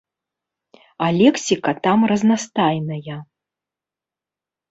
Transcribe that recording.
А лексіка там разнастайная.